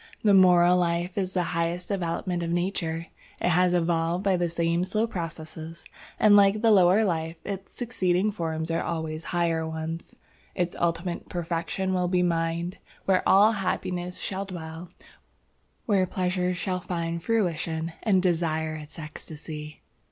"The moral life is the highest development of Nature. It is evolved by the same slow processes, and like the lower life, its succeeding forms are always higher ones. Its ultimate perfection will be mind, where all happiness shall dwell, where pleasure shall find fruition, and desire its ecstasy.